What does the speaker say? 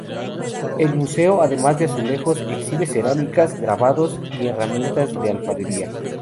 El museo además de azulejos exhibe cerámicas, grabados y herramientas de alfarería.